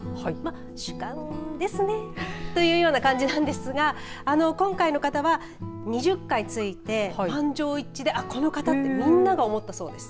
主観ですねというような感じなんですが今回の方は２０回ついて満場一致でこの方だとみんなが思ったそうです。